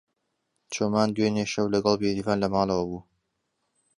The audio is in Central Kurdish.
چۆمان دوێنێ شەو لەگەڵ بێریڤان لە ماڵەوە بوو.